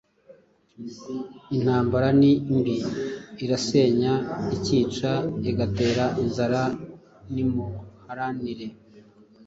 Intambara ni mbi, irasenya, ikica, igatera inzara. Nimuharanire